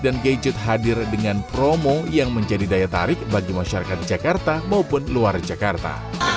dan gadget hadir dengan promo yang menjadi daya tarik bagi masyarakat jakarta maupun luar jakarta